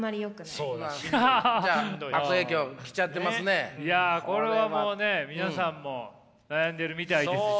いやこれはもうね皆さんも悩んでるみたいですし。